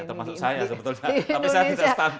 termasuk saya sebetulnya